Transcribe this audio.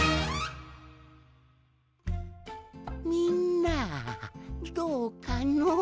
みんなどうかの？